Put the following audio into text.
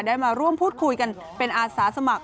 ได้มาร่วมพูดคุยกันเป็นอาสาสมัคร